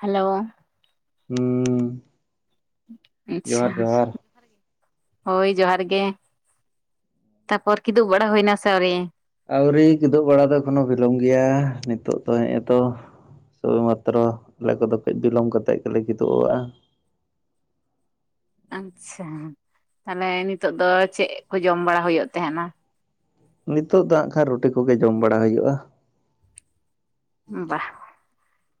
Hello, ᱦᱩᱸ, ᱟᱪᱪᱷᱟ ᱡᱚᱦᱟᱨ ᱡᱚᱦᱟᱨ [inaudible] ᱦᱳᱭ ᱡᱚᱦᱟᱨ ᱜᱮ ᱛᱟᱯᱚᱨ ᱠᱤᱫᱩ ᱵᱟᱲᱟ ᱦᱳᱭ ᱱᱟ ᱥᱮ ᱟᱣᱨᱤ? ᱟᱹᱣᱨᱤ ᱠᱤᱫᱩᱜ ᱵᱟᱲᱟ ᱫᱚ ᱮᱠᱷᱚᱱᱳ ᱵᱤᱞᱚᱢ ᱜᱮᱭᱟ ᱱᱤᱛᱚᱜ ᱫᱚ ᱦᱮᱸᱜ-ᱮ ᱛᱚ, ᱥᱩᱫᱷᱩ ᱢᱟᱛᱨᱚ ᱟᱞᱮ ᱠᱚᱫᱚ ᱠᱟᱹᱡ ᱵᱤᱞᱚᱢ ᱠᱟᱛᱮᱜ ᱜᱮᱞᱮ ᱠᱤᱫᱩᱜᱚᱜᱼᱟ᱾ ᱟᱪᱪᱷᱟ ᱛᱟᱦᱚᱞᱮ ᱱᱤᱛᱚᱜ ᱫᱚ ᱪᱮᱜ ᱠᱚ ᱡᱚᱢ ᱵᱟᱲᱟ ᱦᱳᱭᱳᱜ ᱛᱟᱦᱮᱸᱱᱟ? ᱱᱤᱛᱚᱜ ᱫᱚ ᱦᱟᱜ ᱠᱷᱟᱱ ᱨᱩᱴᱤ ᱠᱚᱜᱮ ᱡᱚᱢ ᱵᱟᱲᱟ ᱦᱩᱭᱩᱜᱼᱟ᱾ ᱵᱟ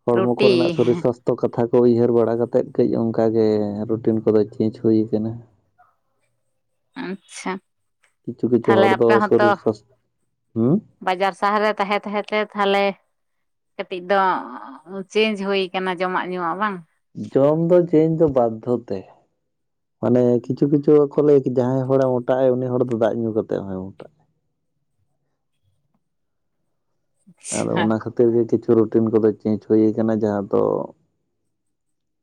ᱦᱚᱲᱢᱚ ᱨᱩᱴᱤ ᱠᱚᱨᱮᱱᱟᱜ ᱥᱚᱨᱤᱨ ᱥᱟᱥ ᱛᱚ ᱠᱟᱛᱷᱟ ᱠᱚ ᱩᱭᱦᱟᱹᱨ ᱵᱟᱲᱟ ᱠᱟᱛᱮᱫ ᱠᱟᱹᱡ ᱚᱱᱠᱟᱟᱜᱮ ᱨᱩᱴᱤᱱ ᱠᱚᱫᱚ ᱪᱮᱧᱡᱽ ᱦᱩᱭ ᱠᱟᱱᱟ᱾ ᱟᱪᱪᱷᱟ, ᱠᱤᱪᱷᱩ ᱠᱤᱪᱷᱩ ᱛᱟᱦᱞᱮ ᱦᱚᱲ ᱫᱚ ᱟᱯᱮ ᱦᱚᱸᱛᱚ ᱥᱚᱨᱤᱨ ᱥᱟᱥ ᱦᱩᱸ, ᱵᱟᱡᱟᱨ ᱥᱟᱦᱟᱨ ᱨᱮ ᱛᱟᱦᱮᱸ ᱛᱟᱦᱮᱸ ᱛᱮ ᱛᱷᱟᱞᱮ ᱠᱟᱹᱴᱤᱡ ᱫᱚ ᱪᱮᱧᱡ ᱦᱩᱭ ᱠᱟᱱᱟ ᱡᱚᱢᱟᱜ ᱧᱩᱣᱟᱜ ᱵᱟᱝ ᱡᱚᱢ ᱫᱚ ᱪᱮᱧᱡ ᱫᱚ ᱵᱟᱫᱽᱫᱷᱚ ᱛᱮ ᱢᱟᱱᱮ ᱠᱤᱪᱷᱩ ᱠᱤᱪᱷᱩ ᱠᱚ ᱞᱟᱹᱭᱟ ᱠᱟᱫᱟ ᱡᱟᱦᱟᱸᱭ ᱦᱚᱲᱮ ᱡᱚᱴᱟᱜ-ᱟ ᱩᱱᱤ ᱦᱚᱲ ᱫᱚ ᱫᱟᱜ ᱧᱩ ᱠᱟᱛᱮᱜ ᱦᱚᱸᱭ ᱢᱚᱴᱟᱜ-ᱟ᱾ ᱟᱫᱚ ᱟᱪᱪᱷᱟ ᱚᱱᱟ ᱠᱷᱟᱹᱛᱤᱨ ᱜᱮ ᱠᱤᱪᱷᱩ ᱨᱩᱴᱤᱱ ᱠᱚᱫᱚ ᱪᱮᱧᱡᱽ ᱦᱩᱭ ᱠᱟᱱᱟ ᱡᱟᱦᱟᱸ ᱫᱚ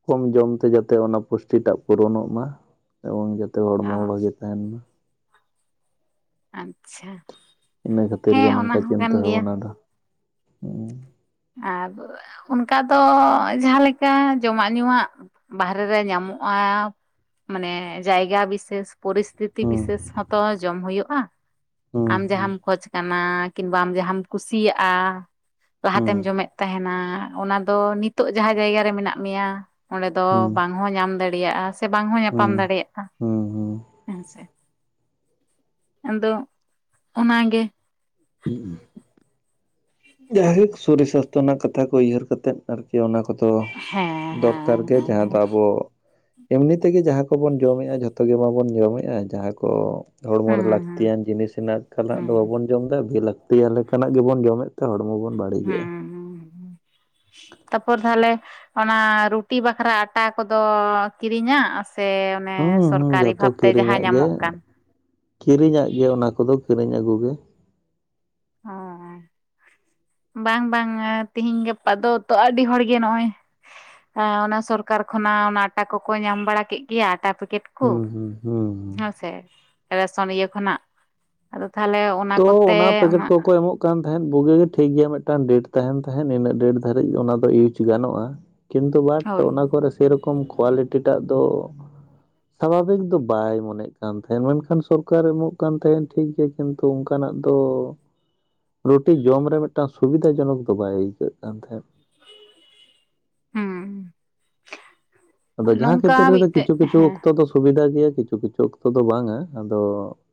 ᱠᱚᱢ ᱡᱚᱢᱛᱮ ᱡᱟᱛᱮ ᱚᱱᱟ ᱯᱩᱥᱴᱤᱴᱟᱜ ᱯᱩᱨᱚᱱᱚᱜ ᱢᱟ ᱮᱵᱚᱝ ᱡᱟᱛᱮ ᱦᱚᱲᱢᱚ ᱦᱚ ᱵᱷᱟᱜᱮ ᱛᱟᱦᱮᱱ ᱢᱟ᱾ ᱟᱪᱪᱷᱟ ᱤᱱᱟᱹ ᱠᱷᱟᱹᱛᱤᱨ ᱜᱮ ᱦᱮᱸ ᱚᱱᱟ ᱱᱚᱝᱠᱟ ᱦᱚᱸ ᱠᱟᱱ ᱪᱤᱱᱛᱟᱹ ᱜᱮᱭᱟ᱾ ᱵᱷᱟᱵᱱᱟ ᱫᱚ ᱦᱩᱸ ᱟᱨ ᱚᱱᱠᱟ ᱫᱚ ᱡᱟᱦᱟᱸ ᱞᱮᱠᱟ ᱡᱚᱢᱟᱜ ᱧᱩᱣᱟᱜ ᱵᱟᱦᱨᱮ ᱨᱮ ᱧᱟᱢᱚᱜ-ᱟ ᱢᱟᱱᱮ ᱡᱟᱭᱜᱟ ᱵᱤᱥᱮᱥ ᱯᱚᱨᱤᱥᱛᱷᱤᱛᱤ ᱦᱩᱸ ᱵᱤᱥᱮᱥ ᱦᱚᱸᱛᱚ ᱡᱚᱢ ᱦᱩᱭᱩᱜ-ᱟ ᱟᱢ ᱦᱩᱸ ᱡᱟᱦᱟᱸᱟᱢ ᱠᱷᱚᱡ ᱠᱟᱱᱟ ᱠᱤᱱᱵᱟ ᱟᱢ ᱡᱟᱦᱟᱸᱢ ᱠᱩᱥᱤᱭᱟᱜ-ᱟ ᱞᱟᱦᱟ ᱦᱩᱸ ᱛᱮᱢ ᱡᱚᱢᱮᱫ ᱛᱟᱦᱮᱱᱟ ᱚᱱᱟ ᱫᱚ ᱱᱤᱛᱳᱜ ᱡᱟᱦᱟᱸ ᱡᱟᱭᱜᱟ ᱨᱮ ᱢᱮᱱᱟᱜ ᱢᱮᱭᱟ ᱚᱸᱰᱮ ᱫᱚ ᱦᱩᱸ ᱵᱟᱝ ᱦᱚᱸ ᱧᱟᱢ ᱫᱟᱲᱮᱭᱟᱜ-ᱟ ᱥᱮ ᱵᱟᱝ ᱦᱚᱸ ᱦᱩᱸ ᱧᱟᱯᱟᱢ ᱫᱟᱲᱮᱭᱟᱜ-ᱟ ᱦᱩᱸ ᱦᱩᱸ ᱦᱮᱸᱥᱮ᱾ ᱟᱫᱚ ᱚᱱᱟᱜᱮ ᱩᱸᱢ ᱡᱟᱭᱦᱳᱠ ᱥᱚᱨᱤᱨ ᱥᱟᱥᱛᱚ ᱨᱮᱱᱟᱜ ᱠᱟᱛᱷᱟ ᱠᱚ ᱩᱭᱦᱟᱹᱨ ᱠᱟᱛᱮᱫ᱾ ᱟᱨᱠᱤ ᱚᱱᱟ ᱠᱚᱫᱚ ᱦᱮᱸ ᱫᱚᱨᱠᱟᱨ ᱦᱮᱸ ᱜᱮ ᱡᱟᱦᱟᱸ ᱫᱚ ᱦᱮᱸ ᱟᱵᱚ ᱮᱢᱱᱤ ᱛᱮᱜᱮ ᱡᱟᱦᱟᱸ ᱠᱚᱵᱚᱱ ᱡᱚᱢᱮᱜ-ᱟ ᱡᱷᱚᱛᱚ ᱜᱮ ᱵᱟᱵᱚᱱ ᱡᱚᱢᱮᱜ-ᱟ ᱡᱟᱦᱟᱸ ᱠᱚ ᱦᱚᱲᱢᱚᱨᱮ ᱦᱮᱸ ᱞᱟᱹᱠᱛᱤᱭᱟᱱ ᱡᱤᱱᱤᱥ ᱦᱮᱱᱟᱜ ᱮᱱᱠᱟᱱᱟᱜ ᱫᱚ ᱦᱮᱸ ᱵᱟᱵᱚᱱ ᱡᱚᱢᱫᱟ ᱵᱮ ᱞᱟᱹᱠᱛᱤᱭᱟ ᱞᱮᱠᱟᱱᱟᱜ ᱜᱮᱵᱚᱱ ᱡᱚᱢᱮᱫ ᱦᱚᱲᱢᱚ ᱵᱚᱱ ᱵᱟᱲᱤ ᱦᱩᱸᱻ ᱦᱩᱸ ᱛᱟᱯᱚᱨ ᱛᱟᱦᱞᱮ ᱚᱱᱟ ᱨᱩᱴᱤ ᱵᱟᱠᱷᱨᱟ ᱟᱴᱟ ᱠᱚᱫᱚ ᱠᱤᱨᱤᱧᱟᱜ ᱥᱮᱻ ᱚᱱᱮ ᱦᱩᱸ ᱦᱩᱸ ᱥᱚᱨᱠᱟᱨᱤ ᱡᱷᱚᱛᱚ ᱵᱷᱟᱵᱽᱛᱮ ᱡᱟᱦᱟᱸ ᱠᱤᱨᱤᱧᱟᱜ ᱜᱮ ᱧᱟᱢᱚᱜ ᱠᱟᱱ? ᱠᱤᱨᱤᱧᱟᱜ ᱜᱮ ᱚᱱᱟ ᱠᱚᱫᱚ ᱠᱤᱨᱤᱧ ᱟᱹᱜᱩᱜᱮ᱾ ᱚᱸᱻ ᱵᱟᱝ ᱵᱟᱝ ᱟ ᱛᱤᱦᱤᱧ ᱜᱟᱯᱟ ᱫᱚ ᱛᱚ ᱟᱹᱰᱤ ᱦᱚᱲ ᱜᱮ ᱱᱚᱜ-ᱚᱭ ᱟ ᱚᱱᱟ ᱥᱚᱨᱠᱟᱨ ᱠᱷᱚᱱᱟᱜ ᱚᱱᱟ ᱟᱴᱟ ᱠᱚᱠᱚ ᱧᱟᱢ ᱵᱟᱲᱟ ᱠᱮᱜ ᱜᱮᱭᱟ ᱟᱴᱟ ᱯᱮᱠᱮᱴ ᱠᱩ ᱦᱩᱸ ᱦᱩᱸ ᱦᱩᱸ ᱦᱩᱸ ᱦᱮᱸᱥᱮ ᱨᱮᱥᱚᱱ ᱤᱭᱟᱹ ᱠᱷᱚᱱᱟᱜ ᱟᱫᱚ ᱛᱟᱦᱞᱮ ᱚᱱ ᱛᱚ ᱚᱱᱟ ᱯᱮᱠᱮᱴ ᱠᱚᱠᱚ ᱮᱢᱚᱜ ᱠᱟᱱ ᱛᱟᱦᱮᱸᱫ ᱵᱩᱜᱤ ᱜᱮ ᱴᱷᱤᱠ ᱜᱮᱭᱟ ᱢᱮᱜᱴᱟᱝ ᱰᱮᱴ ᱛᱟᱦᱮᱱ ᱛᱟᱦᱮᱸᱫ ᱤᱱᱟᱹᱜ ᱰᱮᱴ ᱫᱷᱟᱹᱨᱤᱡ ᱚᱱᱟ ᱫᱚ ᱤᱭᱩᱡᱽ ᱜᱟᱱᱚᱜ-ᱟ᱾ ᱠᱤᱱᱛᱩ ᱵᱟᱴ ᱦᱳᱭ ᱚᱱᱟ ᱠᱚᱨᱮ ᱥᱮᱨᱚᱠᱚᱢ ᱠᱳᱣᱟᱞᱤᱴᱤᱴᱟᱜ ᱫᱚ ᱥᱟᱵᱷᱟᱵᱤᱠ ᱫᱚ ᱵᱟᱭ ᱢᱚᱱᱮᱜ ᱠᱟᱱ ᱛᱟᱸᱦᱮᱫ ᱢᱮᱱᱠᱷᱟᱱ ᱥᱚᱨᱠᱟᱨᱮ ᱮᱢᱚᱜ ᱠᱟᱱ ᱛᱟᱦᱮᱱ ᱴᱷᱤᱠ ᱜᱮᱭᱟ ᱠᱤᱱ ᱛᱩ ᱚᱝᱠᱟᱱᱟᱜ ᱫᱚ ᱨᱩᱴᱤ ᱡᱚᱢ ᱨᱮ ᱢᱮᱫᱴᱟᱝ ᱥᱩᱵᱤᱫᱷᱟ ᱡᱚᱱᱚᱠ ᱫᱚ ᱵᱟᱭ ᱟᱹᱭᱠᱟᱹᱜ ᱠᱟᱱ ᱛᱟᱦᱮᱸᱫ᱾ ᱦᱩᱸ ᱟᱫᱚ ᱡᱟᱦᱟᱸ ᱠᱷᱮᱛᱨᱮ ᱱᱚᱝᱠᱟ ᱨᱮᱫᱚ ᱠᱤᱪᱷᱩ ᱢᱤᱫᱴᱮᱡ ᱠᱤᱪᱷᱩ ᱦᱮᱸ ᱚᱠᱛᱚ ᱫᱚ ᱥᱩᱵᱤᱫᱟ ᱜᱮᱭᱟ ᱠᱤᱪᱷᱩ ᱠᱤᱪᱷᱩ ᱚᱠᱛᱚ ᱫᱚ ᱵᱟᱝᱟ ᱟᱫᱚ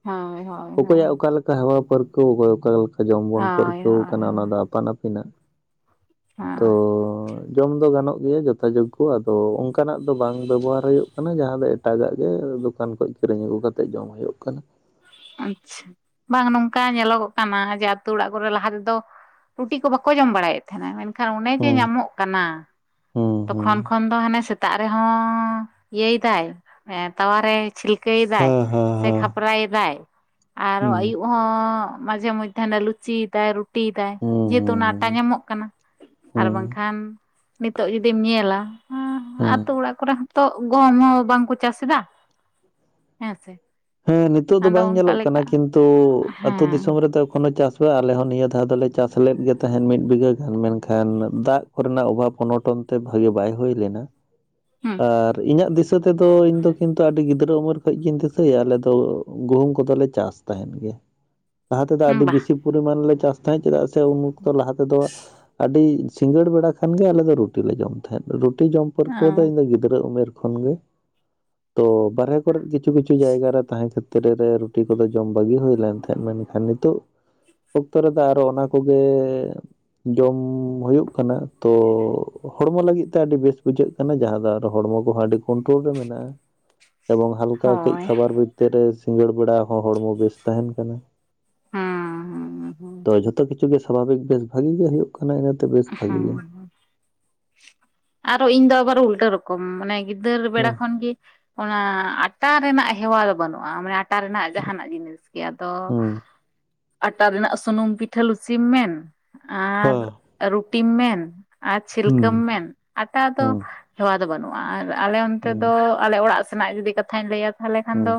ᱦᱳᱭ ᱦᱚᱜ ᱚᱠᱚᱭᱟᱜ ᱚᱠᱟ ᱞᱮᱠᱟ ᱦᱮᱣᱟ ᱯᱟᱹᱨᱠᱟᱹᱣ ᱚᱠᱚᱭ ᱚᱠᱟ ᱞᱮᱠᱟ ᱡᱚᱢ ᱵᱚᱱ ᱦᱳᱭ ᱯᱟᱹᱨᱠᱟᱹᱣ ᱦᱳᱭ ᱠᱟᱱᱟ ᱚᱱᱟ ᱫᱚ ᱟᱯᱟᱱ ᱟᱹᱯᱤᱱᱟᱜ᱾ [inaudible] ᱟᱸᱻ ᱛᱚ ᱡᱚᱢ ᱫᱚ ᱜᱟᱱᱚᱜ ᱜᱮᱭᱟ ᱡᱚᱛᱟ ᱡᱳᱜᱽᱜᱳ ᱟᱫᱚ ᱚᱝᱠᱟᱱᱟᱜ ᱵᱟᱝ ᱵᱮᱵᱚᱦᱟᱨ ᱦᱩᱭᱩᱜ ᱠᱟᱱᱟ ᱡᱟᱦᱟᱸ ᱫᱚ ᱮᱴᱟᱜᱟᱜ ᱜᱮ ᱫᱚᱠᱟᱱ ᱠᱷᱚᱡ ᱠᱤᱨᱤᱧ ᱟᱹᱜᱩ ᱠᱟᱛᱮᱜ ᱡᱚᱢ ᱦᱩᱭᱩᱜ ᱠᱟᱱᱟ᱾ ᱟᱪᱪᱷᱟ ᱵᱟᱝ ᱱᱚᱝᱠᱟ ᱧᱮᱞᱚᱜᱚᱜ ᱠᱟᱱᱟ ᱡᱮ ᱟᱹᱛᱩ ᱚᱲᱟᱜ ᱠᱚᱨᱮ ᱞᱟᱦᱟ ᱛᱮᱫᱚ ᱨᱩᱴᱤ ᱠᱚ ᱵᱟᱠᱚ ᱡᱚᱢ ᱵᱟᱲᱟᱭᱮᱫ ᱛᱮᱦᱮᱱᱟ ᱢᱮᱱᱠᱷᱟᱱ ᱚᱱᱮ ᱡᱮ ᱦᱩᱸ ᱧᱟᱢᱚᱜ ᱠᱟᱱᱟ ᱦᱩᱸ ᱦᱩᱸ ᱛᱚᱠᱷᱚᱱ ᱠᱷᱚᱱ ᱫᱚ ᱦᱟᱱᱮ ᱥᱮᱛᱟᱜ ᱨᱮᱦᱚᱸᱻ ᱤᱭᱟᱹᱭ ᱫᱟᱭ ᱦᱮᱸ ᱛᱟᱣᱟᱨᱮ ᱪᱷᱤᱞᱠᱟ. ᱭ ᱫᱟᱭ ᱦᱮᱸ ᱦᱮᱸ ᱥᱮ ᱦᱮᱸ ᱠᱷᱟᱯᱨᱟᱭᱮ ᱫᱟᱭ ᱾ ᱟᱨᱚ ᱟᱭᱩᱵ ᱦᱚᱸ ᱢᱟᱡᱷᱮ ᱢᱚᱫᱽᱫᱷᱮ ᱦᱟᱱᱮ ᱞᱩᱪᱤᱭ ᱫᱟᱭ ᱨᱩᱴᱤᱭ ᱫᱟᱭ ᱾ ᱦᱩᱸ ᱦᱩᱸ ᱡᱮᱦᱮᱛᱩ ᱚᱱᱟ ᱦᱩᱸ ᱟᱴᱟ ᱧᱟᱢᱚᱜ ᱠᱟᱱᱟ ᱟᱨ ᱦᱩᱸ ᱵᱟᱝᱠᱷᱟᱱ ᱱᱤᱛᱳᱜ ᱡᱩᱫᱤᱢ ᱧᱮᱞᱟ ᱦᱚᱸ ᱦᱩᱸ ᱟᱛᱩ ᱚᱲᱟᱜ ᱠᱚᱨᱮ ᱦᱚᱸᱛᱚ ᱜᱚᱦᱚᱢ ᱦᱚᱸ ᱵᱟᱝᱠᱚ ᱪᱟᱥ ᱮᱫᱟ ᱦᱮᱸ ᱥᱮ ᱾ ᱦᱮᱸ ᱱᱤᱛᱳᱜ ᱫᱚ ᱵᱟᱝ ᱧᱮᱞᱚᱜ ᱠᱟᱱᱟ, ᱠᱤᱱᱛᱩ ᱟᱛᱳ ᱦᱮᱸ ᱫᱤᱥᱚᱢ ᱨᱮᱫᱚ ᱮᱠᱷᱚᱱᱚ ᱪᱟᱥ ᱟᱞᱮ ᱦᱚᱸ ᱱᱤᱭᱟᱹ ᱫᱷᱟᱣ ᱫᱚᱞᱮ ᱪᱟᱥ ᱞᱮᱫ ᱜᱮ ᱛᱟᱦᱮᱸᱫ ᱢᱤᱫ ᱵᱤᱜᱷᱟᱹ ᱜᱟᱱ, ᱢᱮᱱᱠᱷᱟᱱ ᱫᱟᱜ ᱠᱚᱨᱮᱱᱟᱜ ᱚᱵᱷᱟᱵᱽ ᱚᱱᱚᱴᱚᱱ ᱛᱮ ᱵᱷᱟᱜᱮ ᱵᱟᱭ ᱦᱩᱭ ᱞᱮᱱᱟ ᱟᱨ ᱤᱧᱟᱹᱜ ᱫᱤᱥᱟᱹ ᱛᱮᱫᱚ ᱤᱧ ᱫᱚ ᱠᱤᱱ ᱟᱹᱰᱤ ᱜᱤᱫᱽᱨᱟᱹ ᱩᱢᱮᱨ ᱠᱷᱚᱡ ᱜᱤᱧ ᱫᱤᱥᱟᱹᱭᱟ ᱟᱞᱮ ᱫᱚ ᱜᱩᱦᱩᱢ ᱠᱚᱫᱚᱞᱮ ᱪᱟᱥ ᱛᱟᱦᱮᱸᱫ ᱜᱮ ᱾ ᱞᱟᱦᱟ ᱛᱮᱫᱚ ᱦᱩᱸ ᱟᱹᱰᱤ ᱵᱟ ᱵᱮᱥᱤ ᱯᱚᱨᱤᱢᱟᱱ ᱞᱮ ᱪᱟᱥ ᱛᱟᱦᱮᱸᱫ, ᱪᱮᱫᱟᱜ ᱥᱮ ᱩᱱ ᱚᱠᱛᱚ ᱞᱟᱦᱟ ᱛᱮᱫᱚ ᱟᱹᱰᱤ ᱥᱤᱸᱜᱟᱹᱲ ᱵᱮᱲᱟ ᱠᱷᱟᱱ ᱜᱮ ᱟᱞᱮ ᱫᱚ ᱨᱩᱴᱤᱞᱮ ᱡᱚᱢ ᱛᱟᱦᱮᱸᱫ, ᱨᱩᱴᱤ ᱡᱚᱢ ᱯᱟᱹᱨᱠᱟᱹᱣ ᱫᱚ ᱤᱧ ᱫᱚ ᱜᱤᱫᱽᱨᱟᱹ ᱩᱢᱮᱨ ᱠᱷᱚᱱ ᱜᱮ ᱾ ᱛᱚ ᱵᱟᱨᱦᱮ ᱠᱚᱨᱮᱫ ᱠᱤᱪᱷᱩ ᱠᱤᱪᱷᱩ ᱡᱟᱭᱜᱟ ᱨᱮ ᱛᱟᱦᱮᱸ ᱠᱷᱮ ᱛᱨᱮ ᱨᱮ ᱨᱩᱴᱤ ᱠᱚᱫᱚ ᱡᱚᱢ ᱵᱟᱹᱜᱤ ᱦᱩᱭ ᱞᱮᱱ ᱛᱟᱦᱮᱸᱫ, ᱢᱮᱱᱠᱷᱟᱱ ᱱᱤᱛᱳᱜ ᱚᱠᱛᱚ ᱨᱮᱫᱚ ᱟᱨᱚ ᱚᱱᱟ ᱠᱚᱜᱮ ᱡᱚᱢ ᱦᱩᱭᱩᱜ ᱠᱟᱱᱟ ᱛᱚ ᱦᱚᱲᱢᱚ ᱞᱟᱹᱜᱤᱫ ᱛᱮ ᱟᱹᱰᱤ ᱵᱮᱥ ᱵᱩᱡᱷᱟᱹᱜ ᱠᱟᱱᱟ, ᱡᱟᱦᱟᱸ ᱫᱚ ᱟᱨ ᱦᱚᱲᱢᱚ ᱠᱚᱦᱚᱸ ᱟᱹᱰᱤ ᱠᱳᱱᱴᱨᱳᱞ ᱨᱮ ᱢᱮᱱᱟᱜᱼᱟ ᱾ ᱮᱵᱚᱝ ᱦᱟᱞᱠᱟ ᱠᱟᱹᱡ ᱦᱳᱭ ᱠᱷᱟᱵᱟᱨ ᱵᱷᱤᱛᱤᱨ ᱨᱮ ᱥᱤᱸᱜᱟᱹᱲ ᱵᱮᱲᱟ ᱦᱚᱸ ᱦᱚᱲᱢᱚ ᱵᱮᱥ ᱛᱟᱦᱮᱱ ᱠᱟᱱᱟ ᱦᱩᱸ ᱦᱩᱸ ᱾ ᱛᱚ ᱡᱷᱚᱛᱚ ᱠᱤᱪᱷᱩ ᱜᱮ ᱥᱟᱵᱷᱟᱵᱤᱠ ᱵᱮᱥ ᱵᱷᱟᱜᱤ ᱜᱮ ᱦᱩᱭᱩᱜ ᱠᱟᱱᱟ ᱤᱱᱟᱹ ᱛᱮ ᱵᱮᱥ ᱵᱷᱟᱜᱤ ᱜᱮ ᱾ ᱦᱩᱸ ᱟᱨᱚ ᱤᱧ ᱫᱚ ᱟᱵᱟᱨ ᱩᱞᱴᱟᱹ ᱨᱚᱠᱚᱢ ᱢᱟᱱᱮ ᱜᱤᱫᱟᱹᱨ ᱵᱮᱲᱟ ᱦᱩᱸ ᱠᱷᱚᱱ ᱜᱮ ᱚᱱᱟ ᱟᱴᱟ ᱨᱮᱱᱟᱜ ᱦᱮᱣᱟ ᱫᱚ ᱵᱟᱹᱱᱩᱜᱼᱟ, ᱢᱟᱱᱮ ᱴᱟ ᱨᱮᱱᱟᱜ ᱡᱟᱦᱟᱸᱱᱟᱜ ᱡᱤᱱᱤᱥ ᱜᱮ ᱟᱫᱚ ᱦᱩᱸ ᱾ ᱟᱴᱟ ᱨᱮᱱᱟᱜ ᱥᱩᱹᱱᱩᱢ ᱯᱤᱴᱷᱟᱹ ᱞᱩᱪᱤᱢ ᱢᱮᱱ ᱟᱨ ᱦᱮᱸ ᱨᱩᱴᱤᱢ ᱢᱮᱱ ᱟᱨ ᱪᱷᱤᱞᱠᱟᱹᱢ ᱢᱮᱱ ᱟᱴᱟ ᱫᱚ ᱦᱩᱸ ᱦᱮᱣᱟ ᱫᱚ ᱵᱟᱹᱱᱩᱜ ᱟᱨ ᱟᱞᱮ ᱚᱱᱛᱮ ᱫᱚ ᱦᱩᱸ ᱟᱞᱮ ᱚᱲᱟᱜ ᱥᱮᱱᱟᱜ ᱡᱩᱫᱤ ᱠᱟᱛᱷᱟᱧ ᱞᱟᱹᱭᱟ ᱛᱟᱦᱚᱞᱮ ᱠᱷᱟᱱ ᱦᱩᱸ ᱫᱚ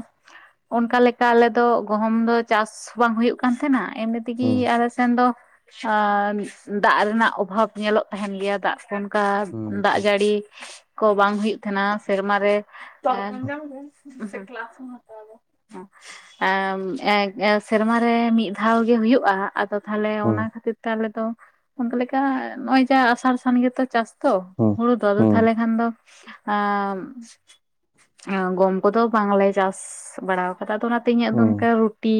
ᱚᱱᱠᱟ ᱞᱮᱠᱟ ᱟᱞᱮᱫᱚ ᱜᱚᱦᱚᱢ ᱫᱚ ᱪᱟᱥ ᱵᱟᱝ ᱦᱩᱭᱩᱜ ᱠᱟᱱ ᱛᱟᱦᱮᱱᱟ ᱮᱢᱱᱤ ᱛᱮᱜᱮ ᱦᱩᱸ ᱟᱞᱮ ᱥᱮᱱ ᱫᱚ ᱟᱸᱻ ᱫᱟᱜ ᱨᱮᱱᱟᱜ ᱚᱵᱷᱟᱵᱽ ᱧᱮᱞᱚᱜ ᱛᱟᱦᱮᱱ ᱜᱮᱭᱟ ᱫᱟᱜ ᱚᱱᱠᱟ ᱦᱩᱸ ᱦᱩᱸ ᱫᱟᱜ ᱡᱟᱹᱲᱤ ᱠᱚ ᱵᱟᱝ ᱦᱩᱭᱩᱜ ᱛᱟᱦᱮᱱᱟ ᱥᱮᱨᱢᱟ ᱨᱮ᱾ ᱛᱚᱣᱟ ᱫᱟᱠᱟᱢ ᱡᱚᱢ ᱠᱮᱫᱟ ᱥᱮ ᱠᱞᱟᱥ ᱮᱢ ᱦᱟᱛᱟᱣ ᱫᱟ? ᱮᱸ ᱮᱸ ᱮᱸ ᱥᱮᱨᱢᱟ ᱨᱮ ᱢᱤᱫ ᱫᱷᱟᱣ ᱜᱮ ᱦᱩᱭᱩᱜᱼᱟ, ᱟᱫᱚ ᱛᱟᱦᱚᱞᱮ ᱚᱱᱟ ᱦᱩᱸ ᱠᱷᱟᱹᱛᱤᱨ ᱛᱮ ᱟᱞᱮᱫᱚ ᱚᱱᱠᱟ ᱞᱮᱠᱟ ᱱᱚᱜᱼᱚᱭ ᱡᱟ ᱟᱥᱟᱲ ᱥᱟᱱ ᱜᱮᱛᱚ ᱪᱟᱥ ᱛᱚ ᱦᱩᱸ ᱦᱩᱲᱩ ᱫᱚ ᱟᱫᱚ ᱛᱟᱦᱚᱞᱮ ᱠᱷᱟᱱ ᱫᱚ ᱟᱸᱻ ᱚᱸ ᱜᱚᱢ ᱠᱚᱫᱚ ᱵᱟᱝᱞᱮ ᱪᱟᱥ ᱵᱟᱲᱟ ᱟᱠᱟᱫᱟ, ᱟᱫᱚ ᱚᱱᱟᱛᱮ ᱤᱧᱟᱹᱜ ᱫᱚ ᱦᱩᱸ ᱚᱱᱠᱟ ᱨᱩᱴᱤ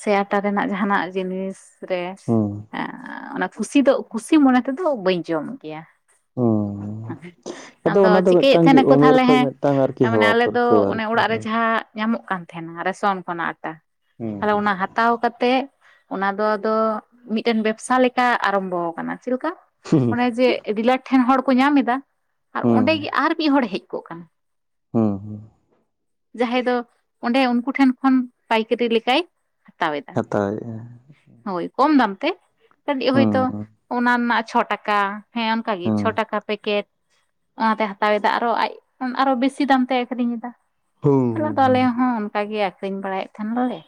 ᱥᱮ ᱟᱴᱟ ᱨᱮᱱᱟᱜ ᱡᱟᱦᱟᱸᱱᱟᱜ ᱡᱤᱱᱤᱥ ᱨᱮ ᱦᱩᱸ ᱦᱩᱸ ᱮᱸᱻ ᱚᱱᱟ ᱠᱩᱥᱤ ᱫᱚ ᱠᱩᱥᱤ ᱢᱚᱱᱮ ᱛᱮᱫᱚ ᱵᱟᱹᱧ ᱡᱚᱢ ᱜᱮᱭᱟ ᱾ ᱦᱩᱸ ᱟᱫᱚ ᱚᱱᱟ ᱫᱚ ᱪᱤᱠᱟᱹᱭᱮᱫ ᱢᱤᱫᱴᱟᱝ ᱜᱮ ᱛᱟᱦᱮᱱᱟᱠᱚ ᱩᱢᱮᱨ ᱛᱟᱦᱚᱞᱮ ᱠᱷᱚᱡ ᱦᱮᱸ ᱢᱤᱫᱴᱟᱝ ᱟᱨᱠᱤ ᱢᱟᱱᱮ ᱦᱮᱣᱟ ᱟᱞᱮ ᱫᱚ ᱯᱟᱹᱨᱠᱟᱹᱣ ᱚᱱᱮ ᱟᱨᱠᱤ ᱚᱲᱟᱜ ᱚᱱᱟ ᱨᱮ ᱫᱚ ᱡᱟᱦᱟᱸ ᱧᱟᱢᱚᱜ ᱠᱟᱱ ᱛᱟᱦᱮᱱᱟ ᱨᱮᱥᱚᱱ ᱠᱷᱚᱱᱟᱜ ᱟᱴᱟ, ᱦᱩᱸ ᱛᱟᱦᱚᱞᱮ ᱚᱱᱟ ᱦᱟ ᱛᱟᱣ ᱠᱟᱛᱮᱜ ᱚᱱᱟ ᱫᱚ ᱟᱫᱚ ᱢᱤᱫᱴᱮᱱ ᱵᱮᱵᱥᱟ ᱞᱮᱠᱟ ᱟᱨᱟᱢᱵᱷᱚ ᱟᱠᱟᱱᱟ, ᱪᱮᱫ ᱞᱮᱠᱟ? ᱦᱩᱸ ᱚᱱᱮ ᱡᱮ ᱰᱤᱞᱟᱨ ᱴᱷᱮᱱ ᱦᱚᱲ ᱠᱚ ᱧᱟᱢ ᱮᱫᱟ ᱟᱨ ᱦᱩᱸ ᱚᱸᱰᱮ ᱜᱮ ᱟᱨ ᱢᱤᱫ ᱦᱚᱲ ᱦᱮᱡ ᱠᱚᱜ ᱠᱟᱱᱟ ᱾ ᱦᱩᱸ, ᱦᱩᱸ ᱾ ᱡᱟᱦᱟᱸᱭ ᱫᱚ ᱚᱸᱰᱮ ᱩᱱᱠᱩ ᱴᱷᱮᱱ ᱠᱷᱚᱱ ᱯᱟᱭᱠᱟᱹᱨᱤ ᱞᱮᱠᱟᱭ ᱦᱟᱛᱟᱣᱫᱟ, ᱦᱟᱛᱟᱣᱮᱜᱼᱟ ᱦᱳᱭ ᱠᱚᱢ ᱫᱟᱢ ᱛᱮ ᱾ ᱠᱟᱹᱴᱤᱡ ᱦᱳᱭ ᱦᱩᱸ ᱛᱳ ᱚᱱᱟ ᱨᱮᱱᱟᱜ ᱪᱷᱚ ᱴᱟᱠᱟ ᱦᱮᱸ ᱚᱱᱠᱟ ᱜᱮ ᱦᱩᱸ ᱪᱷᱚ ᱴᱟᱠᱟ ᱯᱮᱠᱮᱴ᱾ ᱚᱱᱟᱛᱮᱭ ᱦᱟᱛᱟᱣ ᱮᱫᱟ ᱟᱨᱚ ᱟᱡ ᱟᱨᱚ ᱵᱮᱥᱤ ᱫᱟᱢ ᱛᱮᱭ ᱟᱠᱷᱨᱤᱧ ᱮᱫᱟ᱾ ᱦᱩᱸ ᱛᱟᱦᱚᱞᱮ ᱟᱫᱚ ᱟᱞᱮ ᱦᱚᱸ ᱚᱱᱠᱟᱜ ᱜᱮ ᱟᱠᱷᱨᱤᱧ ᱵᱟᱲᱟᱭᱮᱫ ᱠᱷᱟᱱᱞᱮ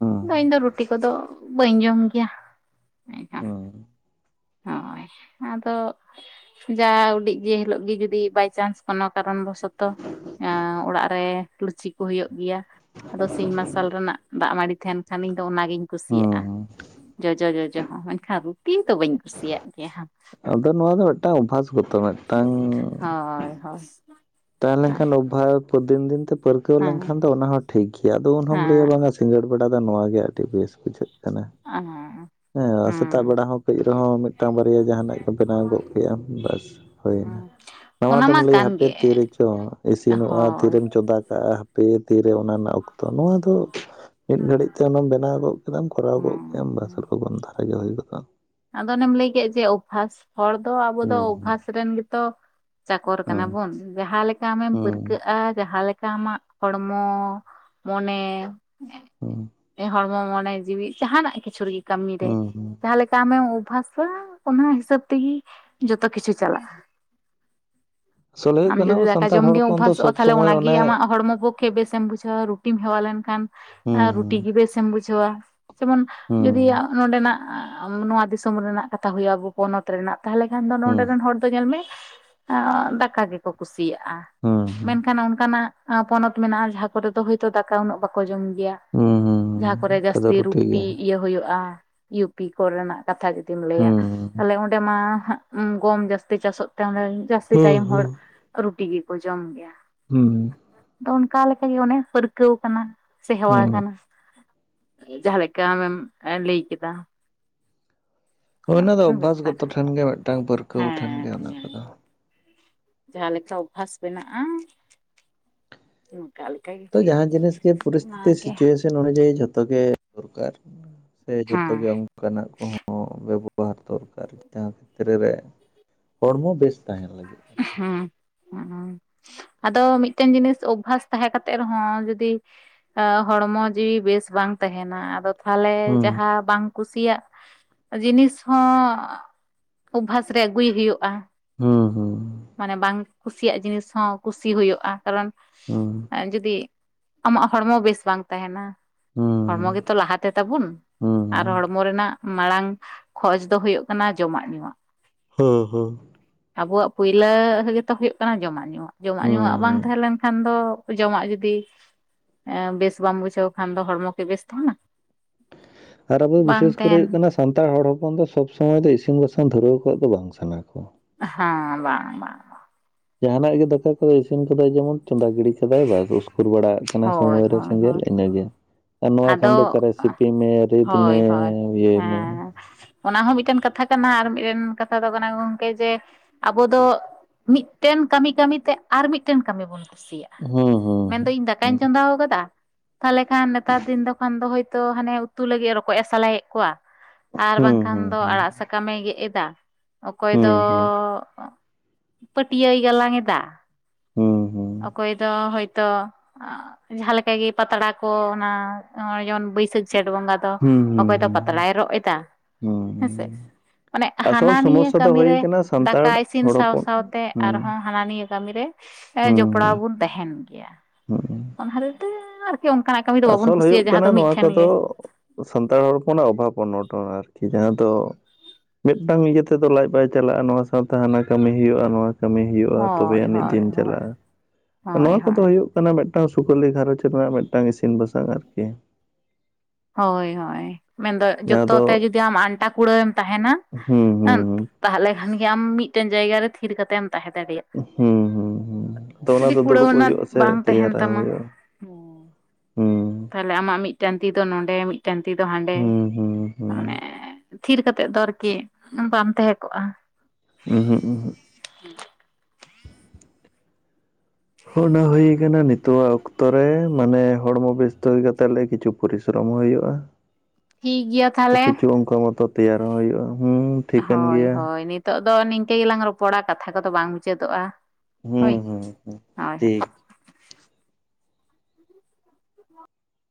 ᱦᱩᱸ ᱵᱟᱹᱧ ᱤᱧ ᱫᱚ ᱨᱩᱴᱤ ᱠᱚᱫᱚ ᱵᱟᱹᱧ ᱡᱚᱢ ᱜᱮᱭᱟ᱾ ᱦᱩᱸ ᱦᱳᱭ ᱟᱫᱚ ᱡᱟ ᱩᱰᱤᱡ ᱡᱮ ᱦᱤᱞᱳᱜ ᱜᱮ ᱡᱩᱫᱤ ᱵᱟᱭ ᱪᱟᱱᱥ ᱠᱚᱱᱚ ᱠᱟᱨᱚᱱ ᱵᱚᱥᱚᱛᱚ ᱮ ᱚᱲᱟᱜ ᱨᱮ ᱞᱩᱪᱤ ᱠᱚ ᱦᱩᱭᱩᱜ ᱜᱮᱭᱟ᱾ ᱟᱫᱚ ᱥᱤᱧ ᱢᱟᱨᱥᱟᱞ ᱨᱮᱱᱟᱜ ᱫᱟᱜ ᱢᱟᱹᱰᱤ ᱛᱟᱦᱮᱱ ᱠᱷᱟᱱ ᱤᱧ ᱫᱚ ᱚᱱᱟ ᱜᱤᱧ ᱠᱩᱥᱤᱭᱟᱜ-ᱟ᱾ ᱦᱩᱸ ᱡᱚᱡᱚ ᱡᱚᱡᱚ ᱦᱚᱸ ᱢᱮᱱᱠᱷᱟᱱ ᱨᱩᱴᱤ ᱫᱚ ᱵᱟᱹᱧ ᱠᱩᱥᱤᱭᱟᱜ ᱜᱮᱭᱟ᱾ ᱟᱫᱚ ᱱᱚᱣᱟ ᱫᱚ ᱢᱤᱫᱴᱟᱝ ᱚᱵᱷᱟᱥ ᱜᱚᱛᱚ ᱢᱤᱫᱴᱟᱝ ᱦᱳᱭ ᱦᱳᱭ ᱛᱟᱦᱮᱸᱞᱮᱱ ᱦᱮᱸ ᱠᱷᱟᱱ ᱚᱵᱷᱟᱵ ᱫᱤᱱ ᱫᱤᱱ ᱛᱮ ᱯᱟᱹᱨᱠᱟᱹᱣ ᱦᱮᱸ ᱞᱮᱱᱠᱷᱟᱱ ᱫᱚ ᱚᱱᱟ ᱦᱚᱸ ᱴᱷᱤᱠ ᱜᱮᱭᱟ ᱟᱫᱚ ᱩᱱ ᱦᱚᱢ ᱞᱟᱹᱭᱟ ᱵᱟᱝ-ᱟ ᱥᱤᱸᱜᱟᱹᱲ ᱵᱮᱲᱟ ᱫᱚ ᱱᱚᱣᱟ ᱜᱮ ᱟᱹᱰᱤ ᱵᱮᱥ ᱵᱩᱡᱷᱟᱹᱜ ᱠᱟᱱᱟ ᱟᱸᱻ ᱦᱚᱜ ᱦᱮᱸ ᱥᱮᱛᱟᱜ ᱵᱮᱲᱟ ᱦᱚᱸ ᱠᱟᱹᱡ ᱨᱮᱦᱚᱸ ᱢᱤᱫᱴᱟᱝ ᱵᱟᱨᱭᱟ ᱡᱟᱦᱟᱱᱟᱜ ᱜᱮ ᱵᱮᱱᱟᱣ ᱜᱚᱫ ᱠᱮᱭᱟ ᱵᱟᱥ [unintelligible] ᱱᱚᱣᱟ ᱚᱱᱟ ᱫᱚᱢ ᱢᱟ ᱞᱟᱹᱭᱟ ᱠᱟᱱ ᱦᱟᱯᱮ ᱜᱮ ᱛᱤᱨᱮ ᱪᱚ ᱤᱥᱤᱱᱚᱜ-ᱟ ᱦᱳᱭ ᱛᱤᱨᱮᱢ ᱪᱚᱸᱫᱟ ᱠᱟᱜ-ᱟ ᱦᱟ- ᱯᱮ ᱛᱤᱨᱮ ᱚᱱᱟ ᱨᱮᱱᱟᱜ ᱚᱠᱛᱚ ᱱᱚᱣᱟ ᱫᱚ ᱢᱤᱫ ᱜᱷᱟᱹᱲᱤᱡ ᱛᱮ ᱚᱱᱟᱢ ᱵᱮᱱᱟᱣ ᱜᱚᱫ ᱪᱤᱫᱟᱢ ᱠᱚᱨᱟᱣ ᱜᱚᱜ ᱦᱮᱸ ᱠᱮᱭᱟᱢ ᱵᱟᱥ ᱦᱮᱸ ᱞᱚᱜᱚᱱ ᱫᱷᱟᱨᱟ ᱜᱮ ᱦᱩᱭ ᱜᱚᱫᱚᱜ-ᱟ᱾ ᱟᱫᱚ ᱚᱱᱮᱢ ᱞᱟᱹᱭ ᱠᱮᱫ ᱡᱮ ᱚᱵᱷᱟᱥ ᱦᱚᱲ ᱫᱚ ᱟᱵᱚ ᱫᱚ ᱦᱩᱸ ᱚᱵᱷᱟᱥ ᱨᱮᱱ ᱜᱮᱛᱚ ᱪᱟᱠᱚᱨ ᱠᱟᱱᱟ ᱦᱩᱸ ᱵᱚᱱ ᱡᱟᱦᱟᱸ ᱞᱮᱠᱟ ᱟᱢᱮᱢ ᱦᱩᱸ ᱦᱩᱸ ᱯᱟᱹᱨᱠᱟᱹᱜ-ᱟ ᱡᱟᱦᱟᱸ ᱞᱮᱠᱟ ᱟᱢᱟᱜ ᱦᱚᱲᱢᱚ, ᱢᱚᱱᱮ, ᱦᱩᱸ ᱮ ᱦᱚᱲ ᱢᱚᱱᱮ ᱡᱤᱣᱤ ᱡᱟᱦᱟᱱᱟᱜ ᱠᱤᱪᱷᱩ ᱨᱮᱜᱮ ᱠᱟᱹᱢᱤ ᱨᱮ ᱦᱩᱸ ᱦᱩᱸ ᱡᱟᱦᱟᱸ ᱞᱮ- ᱟᱢᱮᱢ ᱚᱵᱵᱷᱟᱥᱟ ᱚᱱᱟ ᱦᱤᱥᱟᱹᱵᱽ ᱛᱮᱜᱤ ᱡᱚᱛᱚ ᱠᱤᱪᱷᱩ ᱪᱟᱞᱟᱜ-ᱟ᱾ ᱟᱥᱚᱞ ᱦᱩᱭᱩᱜ ᱟᱢ ᱠᱟᱱᱟ ᱡᱩᱫᱤ ᱟᱵᱚ ᱫᱟᱠᱟ ᱥᱟᱱᱛᱟᱲ ᱡᱚᱢ ᱦᱚᱲ ᱜᱮᱢ ᱦᱚᱯᱚᱱ ᱫᱚ ᱚᱵᱷᱟᱥᱚᱜ-ᱟ ᱥᱚᱵᱽ ᱛᱟᱦᱞᱮ ᱥᱚᱢᱚᱭ ᱚᱱᱟ ᱜᱤ ᱚᱱᱮ ᱟᱢᱟᱜ ᱦᱚᱲᱢᱚ ᱵᱷᱳᱠ- ᱠᱷᱮᱡ ᱵᱮᱥᱮᱢ ᱵᱩᱡᱷᱟᱹᱣᱟ ᱨᱩᱴᱤᱢ ᱦᱮᱣᱟ ᱞᱮᱱ ᱠᱷᱟᱱ ᱟᱨ ᱨᱩᱴᱤ ᱦᱩᱸ ᱜᱤ ᱵᱮᱥᱮᱢ ᱵᱩᱡᱷᱟᱹᱣᱟ᱾ ᱡᱮᱢᱚᱱ ᱡᱩᱫᱤ ᱦᱩᱸ ᱱᱚᱰᱮ ᱱᱟᱜ- ᱱᱚᱣᱟ ᱫᱤᱥᱚᱢ ᱨᱮᱱᱟᱜ ᱠᱟᱛᱷᱟ ᱦᱩᱭ ᱟᱵᱚ ᱯᱚᱱᱚᱛ ᱨᱮᱱᱟᱜ ᱛᱟᱦᱞᱮ ᱠᱷᱟᱱ ᱫᱚ ᱱᱚᱰᱮ ᱦᱩᱸ ᱨᱮᱱ ᱦᱚᱲ ᱫᱚ ᱧᱮᱞ ᱢᱮ ᱫᱟᱠᱟ ᱜᱮᱠᱚ ᱠᱩᱥᱤᱭᱟᱜ-ᱟ᱾ ᱦᱩᱸ ᱦᱩᱸ ᱢᱮᱱᱠᱷᱟᱱ ᱚᱱᱠᱟ ᱱᱟᱜ ᱯᱚᱱᱚᱛ ᱢᱮᱱᱟᱜ-ᱟ ᱡᱟᱦᱟᱸ ᱠᱚᱨᱮ ᱫᱚ ᱦᱚᱭ ᱛᱚ ᱫᱟᱠᱟ ᱩᱱᱟᱹᱜ ᱵᱟᱠᱚ ᱡᱚᱢ ᱜᱮᱭᱟ᱾ ᱦᱩᱸ ᱦᱩᱸ ᱡᱟᱦᱟᱸ ᱠᱚᱨᱮ ᱚᱱᱠᱟ ᱡᱟᱹᱥᱛᱤ ᱫᱚ ᱴᱷᱤᱠ ᱨᱩᱴᱤ ᱜᱮᱭᱟ ᱤᱭᱟᱹ ᱦᱳᱭᱳᱜ-ᱟ᱾ ᱯᱤ ᱠᱚ ᱨᱮᱱᱟᱜ ᱠᱟᱛᱷᱟ ᱡᱩᱫᱤᱢ ᱞᱟᱹᱭᱟ ᱦᱩᱸ ᱛᱟᱦᱞᱮ ᱚᱱ- ᱰᱮ ᱢᱟ ᱦᱟᱸᱜ ᱜᱚᱢ ᱡᱟᱹᱥᱛᱤ ᱪᱟᱥᱚᱜ ᱛᱮ ᱚᱱᱵᱮ ᱡᱟᱹᱥᱛᱤ ᱦᱩᱸ ᱴᱟᱭᱤᱢ ᱦᱚᱲ ᱦᱩᱸ ᱨᱩᱴᱤ ᱜᱮᱠᱚ ᱡᱚᱢ ᱜᱮᱭᱟ᱾ ᱦᱩᱸ ᱛᱚ ᱚᱱᱠᱟ ᱞᱮᱠᱟ ᱜᱮ ᱚᱱᱮ ᱯᱟᱹᱨᱠᱟᱹᱣ ᱠᱟᱱᱟ ᱥᱮ ᱦᱮᱣᱟ ᱦᱩᱸ ᱠᱟᱱᱟ᱾ ᱡᱟᱦᱟᱸ ᱞᱮᱠᱟ ᱟᱢᱮᱢ ᱞᱟᱹᱭ ᱠᱮᱫᱟ? ᱚᱱᱟ ᱫᱚ ᱢᱤᱫᱴᱮᱱ ᱚᱵᱵᱷᱟᱥ ᱵᱮᱯᱟᱨ ᱜᱚᱛᱚ ᱴᱷᱮᱱ ᱜᱮ ᱢᱮᱫᱴᱟᱝ ᱯᱟᱹᱨᱠᱟᱹᱣ ᱴᱷᱮᱱ ᱜᱮ ᱦᱮᱸ ᱚᱱᱟ ᱠᱚᱫᱚ᱾ ᱡᱟᱦᱟᱸ ᱞᱮᱠᱟ ᱚᱵᱵᱷᱟᱥ ᱵᱮᱱᱟᱜ-ᱟ ᱚᱱᱠᱟ ᱞᱮᱠᱟ ᱜᱮ ᱛᱚ ᱦᱩᱭᱩᱜᱼᱟ ᱡᱟᱦᱟᱸ ᱡᱤᱱᱤᱥ ᱜᱮ ᱯᱚᱨᱤᱥ ᱛᱷᱤᱛᱤ ᱥᱤᱪᱩᱭᱮᱥᱚᱱ ᱚᱱᱩᱡᱟᱭᱤ ᱡᱷᱚᱛᱚ ᱜᱮ ᱫᱚᱨᱠᱟᱨ᱾ ᱥᱮ ᱦᱮᱸ ᱡᱚᱛᱚ ᱜᱮ ᱚᱱᱠᱟ ᱱᱟᱜ ᱠᱚᱦᱚᱸ ᱵᱮᱵᱚ- ᱵᱮᱵᱚᱦᱟᱨ ᱫᱚᱨᱠᱟᱨ ᱡᱟᱦᱟᱸ ᱠᱷᱮᱛᱛᱨᱮ ᱨᱮ ᱦᱚᱲᱢᱚ ᱵᱮᱥ ᱛᱟᱦᱮᱱ ᱞᱟᱹᱜᱤᱫ᱾ [unintelligible] ᱟᱫᱚ ᱢᱤᱫᱴᱮᱱ ᱡᱤᱱᱤᱥ ᱚᱵᱵᱷᱟᱥ ᱛᱟᱦᱮᱸ ᱠᱟᱛᱮᱜ ᱨᱮᱦᱚᱸ ᱡᱩᱫᱤ ᱦᱚᱲᱢᱚ ᱡᱤᱣᱤ ᱵᱮᱥ ᱵᱟᱝ ᱛᱟᱦᱮᱱᱟ ᱟᱫᱚ ᱛᱟᱦᱞᱮ ᱦᱩᱸ ᱡᱟᱦᱟᱸ ᱵᱟᱝ ᱠᱩᱥᱤᱭᱟᱜ ᱡᱤᱱᱤᱥ ᱦᱚᱸ ᱚᱵᱵᱷᱟᱥ ᱨᱮ ᱟᱹᱜᱩᱭ ᱦᱩᱭᱩᱜᱼᱟ᱾ ᱦᱩᱸ ᱦᱩᱸ ᱾ ᱢᱟᱱᱮ ᱵᱟᱝ ᱠᱩᱥᱤᱭᱟᱜ ᱡᱤᱱᱤᱥ ᱦᱚᱸ ᱠᱩᱥᱤ ᱦᱩᱭᱩᱜᱼᱟ ᱠᱟᱨᱚᱱ ᱦᱩᱸ ᱮᱸ ᱡᱩᱫᱤ ᱟᱢᱟᱜ ᱦᱚᱲᱢᱚ ᱵᱮᱥ ᱵᱟᱝ ᱛᱟᱦᱮᱱᱟ ᱦᱩᱸ ᱦᱚᱲᱢᱚ ᱦᱩᱸ ᱜᱮᱛᱚ ᱞᱟᱦᱟᱛᱮ ᱛᱟᱵᱚᱱ ᱟᱨ ᱦᱩᱸ ᱦᱚᱲᱢᱚ ᱨᱮᱱᱟᱜ ᱢᱟᱲᱟᱝ ᱠᱷᱚᱡ ᱫᱚ ᱦᱩᱭᱩᱜ ᱠᱟᱱᱟ ᱡᱚᱢᱟᱜ ᱧᱩᱣᱟᱜ᱾ ᱦᱩᱸ ᱦᱩᱸ ᱾ ᱟᱵᱚᱣᱟᱜ ᱯᱩᱭᱞᱟᱹ ᱜᱮᱛᱚ ᱦᱩᱭᱩᱜ ᱠᱟᱱᱟ ᱡᱚᱢᱟᱜ ᱧᱩᱣᱟᱜ, ᱡᱚᱢᱟᱜ ᱧᱩᱣᱟᱜ ᱦᱩᱸ ᱵᱟᱝ ᱦᱩᱸ ᱛᱟᱦᱮᱸ ᱞᱮᱱᱠᱷᱟᱱ ᱫᱚ ᱡᱚᱢᱟᱜ ᱡᱩᱫᱤ ᱵᱮᱥ ᱵᱟᱢ ᱵᱩᱡᱷᱟᱹᱣ ᱠᱷᱟᱱ ᱫᱚ ᱦᱚᱲᱢᱚ ᱠᱤ ᱵᱮᱥ ᱛᱟᱦᱮᱱᱟ? ᱟᱨ ᱟᱵᱚ ᱵᱤᱥᱮᱥ ᱵᱟᱝ ᱠᱚᱨᱮ ᱦᱩᱭᱩᱜ ᱛᱟᱦᱮᱱᱟ ᱠᱟᱱᱟ ᱥᱟᱱᱛᱟᱲ ᱦᱚᱲ ᱦᱚᱯᱚᱱ ᱫᱚ ᱥᱚᱵᱽ ᱥᱚᱢᱚᱭ ᱫᱚ ᱤᱥᱤᱱ ᱵᱟᱥᱟᱝ ᱫᱷᱩᱨᱟᱹᱣ ᱠᱚᱜ ᱫᱚ ᱵᱟᱝ ᱥᱟᱱᱟ ᱠᱚᱣᱟ᱾ ᱦᱮᱸ ᱵᱟᱝ ᱵᱟᱝ ᱾ ᱡᱟᱦᱟᱱᱟᱜ ᱜᱮ ᱫᱟᱠᱟ ᱠᱚ ᱤᱥᱤᱱ ᱠᱚᱫᱚ ᱡᱮᱢᱚᱱ ᱪᱚᱸᱫᱟ ᱜᱤᱬᱤ ᱠᱟᱫᱟᱭ ᱵᱟᱥ ᱩᱥᱠᱩᱨ ᱵᱟᱲᱟ ᱭᱟᱜ ᱠᱟᱱᱟ ᱦᱳᱭ ᱥᱚᱢᱚᱭ ᱨᱮ ᱦᱳᱭ ᱥᱮᱸᱜᱮᱞ ᱦᱳᱭ ᱤᱱᱟᱹᱜᱮ᱾ ᱟᱨ ᱱᱚᱣᱟ ᱠᱷᱟᱱ ᱫᱚ ᱟᱫᱚ ᱚᱠᱟᱨᱮ ᱥᱤᱯᱤ ᱢᱮ ᱨᱤᱫ ᱢᱮ ᱦᱳᱭ ᱦᱳᱭ ᱤᱭᱟᱹᱭ ᱢᱮ ᱦᱮᱸ ᱚᱱᱟ ᱦᱚᱸ ᱢᱤᱫᱴᱮᱱ ᱠᱟᱛᱷᱟ ᱠᱟᱱᱟ ᱟᱨ ᱢᱤᱫᱴᱮᱱ ᱠᱟᱛᱷᱟ ᱫᱚ ᱠᱟᱱᱟ ᱜᱚᱝᱠᱮ ᱡᱮ ᱟᱵᱚ ᱫᱚ ᱢᱤᱫᱴᱮᱱ ᱠᱟᱹᱢᱤ ᱠᱟᱹᱢᱤ ᱛᱮ ᱟᱨ ᱢᱤᱫᱴᱮᱱ ᱠᱟᱹᱢᱤ ᱵᱚᱱ ᱠᱩᱥᱤᱭᱟᱜᱼᱟ, ᱦᱩᱸ ᱢᱮᱱ ᱫᱚ ᱦᱩᱸ ᱤᱧ ᱫᱟᱠᱟᱹᱧ ᱦᱩᱸ ᱪᱚᱸᱫᱟᱣ ᱠᱟᱫᱟ, ᱛᱟᱦᱞᱮ ᱠᱷᱟᱱ ᱱᱮᱛᱟᱨ ᱫᱤᱱ ᱫᱚ ᱠᱷᱟᱱ ᱫᱚ ᱦᱳᱭ ᱛᱚ ᱦᱟᱱᱮ ᱩᱛᱩ ᱞᱟᱹᱜᱤᱫ ᱨᱚᱠᱚᱡ ᱮ ᱥᱟᱞᱟᱭᱮᱫ ᱠᱚᱣᱟ ᱟᱨ ᱵᱟᱝ ᱠᱷᱟᱱ ᱦᱩᱸ ᱫᱚ ᱦᱩᱸ ᱟᱲᱟᱜ ᱥᱟᱠᱟᱢᱮ ᱜᱮᱫ ᱮᱫᱟ᱾ ᱚᱠᱚᱭ ᱫᱚ ᱦᱩᱸ ᱯᱟᱹᱴᱭᱟᱹᱭ ᱜᱟᱞᱟᱝ ᱮᱫᱟ᱾ ᱦᱩᱸ ᱦᱩᱸ ᱦᱩᱸ ᱦᱩᱸ ᱚᱠᱚᱭ ᱫᱚ ᱦᱳᱭ ᱛᱚ ᱡᱟᱦᱟᱸ ᱞᱮᱠᱟ ᱜᱮ ᱯᱟᱛᱲᱟ ᱠᱚ ᱚᱱᱟ, ᱱᱚᱜ ᱚᱭ ᱡᱮᱢᱚᱱ ᱵᱟᱹᱭᱥᱟᱹᱠᱷ ᱡᱷᱮᱸᱴ ᱵᱚᱸᱜᱟ ᱛᱚ ᱚᱠᱚᱭ ᱦᱩᱸ ᱫᱚ ᱦᱩᱸ ᱦᱩᱸ ᱦᱩᱸ ᱯᱟᱛᱲᱟᱭ ᱨᱚᱜ ᱮᱫᱟ ᱦᱮᱸᱥᱮ᱾ ᱢᱟᱱᱮ ᱦᱟᱱᱟ ᱟᱥᱚᱞ ᱱᱤᱭᱟᱹ ᱥᱚᱢᱚᱥᱥᱟ ᱫᱚ ᱦᱩᱭ ᱠᱟᱹᱢᱤᱨᱮ ᱨᱮ ᱠᱟᱱᱟ ᱥᱟᱱᱛᱟᱲ ᱫᱟᱠᱟ ᱤᱥᱤᱱ ᱦᱚᱲ ᱥᱟᱶ ᱦᱚᱯᱚᱱ ᱥᱟᱶᱛᱮ ᱦᱩᱸ ᱟᱨᱦᱚᱸ ᱦᱟᱱᱟ ᱱᱤᱭᱟᱹ ᱠᱟᱹᱢᱤ ᱨᱮ ᱦᱩᱸ ᱡᱚᱯᱲᱟᱣ ᱵᱚᱱ ᱛᱟᱦᱮᱱ ᱜᱮᱭᱟ᱾ ᱦᱩᱸ ᱾ ᱚᱱᱟ ᱦᱚᱛᱮᱡ ᱛᱮ ᱟᱨᱠᱤ ᱚᱱᱠᱟᱱᱟᱜ ᱠᱟᱹᱢᱤ ᱫᱚ ᱵᱟᱵᱚᱱ ᱟᱥᱚᱞ ᱦᱩᱭᱩᱜ ᱠᱩᱥᱤᱭᱟᱜᱼᱟ ᱡᱟᱦᱟᱸ ᱠᱟᱱᱟ ᱫᱚ ᱱᱚᱣᱟ ᱢᱤᱫᱴᱷᱮᱱ ᱠᱚᱫᱚ ᱜᱮ ᱥᱟᱱᱛᱟᱲ ᱦᱚᱲ ᱦᱚᱯᱚᱱᱟᱜ ᱚᱵᱷᱟᱵ ᱚᱱᱚᱴᱚ ᱟᱨᱠᱤ ᱡᱟᱦᱟᱸ ᱫᱚ ᱢᱤᱫᱴᱟᱝ ᱤᱭᱟᱹ ᱛᱮᱫᱚ ᱞᱟᱡ ᱵᱟᱭ ᱪᱟᱞᱟᱜᱼᱟ ᱱᱚᱣᱟ ᱥᱟᱶᱛᱮ ᱦᱟᱱᱟ ᱠᱟᱹᱢᱤ ᱦᱩᱭᱩᱜᱼᱟ ᱱᱚᱣᱟ ᱠᱟᱹᱢᱤ ᱦᱩᱭᱩᱜᱼᱟ ᱛᱚᱵᱮ ᱦᱳᱭ ᱟᱹᱱᱤᱡ ᱦᱳᱭ ᱫᱤᱱ ᱦᱳᱭ ᱪᱟᱞᱟᱜᱼᱟ ᱾ ᱱᱚᱣᱟ ᱦᱳᱭ ᱠᱚᱫᱚ ᱦᱳᱭ ᱦᱩᱭᱩᱜ ᱠᱟᱱᱟ ᱢᱤᱫᱴᱟᱝ ᱥᱩᱠᱟᱹᱞᱤ ᱜᱷᱟᱨᱚᱸᱡᱽ ᱨᱮᱱᱟᱜ ᱢᱤᱫᱴᱟᱝ ᱤᱥᱤᱱ ᱵᱟᱥᱟᱝ ᱟᱨᱠᱤ ᱾ ᱦᱳᱭ ᱦᱳᱭ ᱾ ᱢᱮᱱᱫᱚ ᱡᱟᱦᱟᱸ ᱡᱚᱛᱚ ᱫᱚ ᱛᱮ ᱡᱚᱫᱤ ᱟᱢ ᱟᱱᱴᱟ ᱠᱩᱲᱟᱹᱣᱮᱢ ᱛᱟᱦᱮᱱᱟ ᱦᱩᱸ ᱦᱩᱸ ᱛᱟᱦᱚᱞᱮ ᱠᱷᱟᱱ ᱜᱮ ᱟᱢ ᱢᱤᱫᱴᱮᱱ ᱡᱟᱭᱜᱟ ᱨᱮ ᱛᱷᱤᱨ ᱠᱟᱛᱮᱢ ᱛᱟᱦᱮᱸ ᱫᱟᱲᱮᱭᱟᱜ᱾ ᱦᱩᱸ ᱦᱩᱸ ᱦᱩᱸ ᱟᱫᱚ ᱚᱱᱟ ᱫᱚ ᱫᱩᱲᱩᱵ ᱦᱩᱭᱩᱜ-ᱟ ᱠᱩᱲᱟᱹᱣᱱᱟ ᱥᱮ ᱵᱟᱝ ᱛᱟᱦᱮᱱ ᱛᱮᱭᱟᱨᱟᱜ ᱦᱩᱭᱩᱜᱼᱟ? ᱛᱟᱢᱟ ᱦᱩᱸ ᱾ ᱛᱟᱦᱞᱮ ᱟᱢᱟᱜ ᱢᱤᱫᱴᱟᱱ ᱛᱤ ᱫᱚ ᱱᱚᱰᱮ ᱢᱤᱫᱴᱟᱱ ᱛᱤ ᱫᱚ ᱦᱟᱸᱰᱮ ᱦᱩᱸ ᱦᱩᱸ ᱦᱩᱸ ᱢᱟᱱᱮ ᱛᱷᱤᱨ ᱠᱟᱛᱮᱫ ᱫᱚ ᱟᱨᱠᱤ ᱵᱟᱢ ᱛᱟᱦᱮᱸ ᱠᱚᱜᱼᱟ ᱾ ᱩᱦᱩᱸ ᱩᱦᱩᱸ ᱾ ᱚᱱᱟ ᱦᱩᱭ ᱟᱠᱟᱱᱟ ᱱᱤᱛᱚᱜᱟᱜ ᱚᱠᱛᱚ ᱨᱮ ᱢᱟᱱᱮ ᱦᱚᱲᱢᱚ ᱵᱮᱥᱛᱚ ᱦᱩᱭ ᱠᱟᱛᱮ ᱞᱮ ᱠᱤᱪᱷᱩ ᱯᱚᱨᱤᱥᱨᱚᱢ ᱦᱩᱭᱩᱜᱼᱟ ᱾ ᱴᱷᱤᱠ ᱜᱮᱭᱟ ᱛᱟᱞᱦᱮ ᱾ ᱚᱱᱠᱟ ᱢᱚᱛᱚ ᱛᱮᱭᱟᱨ ᱦᱚᱸ ᱦᱩᱭᱩᱜᱼᱟ ᱦᱩᱸ ᱴᱷᱤᱠᱟᱹᱱ ᱦᱳᱭ ᱜᱮᱭᱟ ᱦᱳᱭ᱾ ᱱᱤᱛᱚᱜᱜ ᱫᱚ ᱱᱤᱝᱠᱟᱹ ᱜᱮᱞᱟᱝ ᱨᱚᱯᱚᱲᱟ, ᱠᱟᱛᱷᱟ ᱠᱚᱫᱚ ᱵᱟᱝ ᱢᱩᱪᱟᱹᱫᱚᱜᱼᱟ᱾ ᱦᱳᱭ᱾ ᱦᱩᱸ ᱦᱩᱸ ᱦᱩᱸ ᱦᱳᱭ᱾ ᱴᱷᱤᱠ